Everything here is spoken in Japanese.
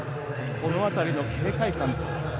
この辺りの警戒感。